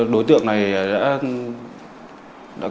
đối tượng này đã có nghiên cứu rất sâu về mạng xã hội